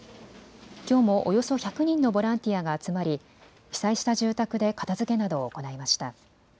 きょうもおよそ１００人のボランティアが集まり被災した住宅で片づけなどを行いました。